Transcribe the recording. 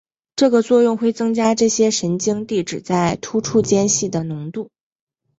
这个作用会增加这些神经递质在突触间隙的浓度。